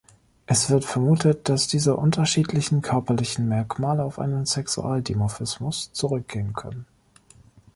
Es wird vermutet, dass diese unterschiedlichen körperlichen Merkmale auf einen Sexualdimorphismus zurückgehen können.